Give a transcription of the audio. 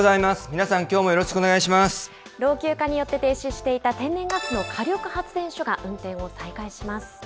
皆さん、きょうもよろしくお願い老朽化によって停止していた天然ガスの火力発電所が運転を再開します。